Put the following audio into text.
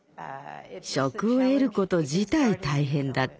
職を得ること自体大変だったわ。